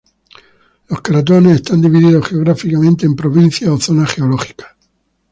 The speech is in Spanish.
Los cratones están divididos geográficamente en provincias o zonas geológicas.